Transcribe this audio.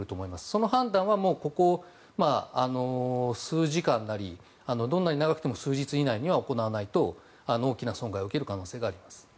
その判断はここ数時間なりどんなに長くても数日以内には行わないと、大きな損害を受ける可能性があります。